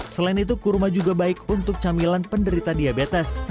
selain itu kurma juga baik untuk camilan penderita diabetes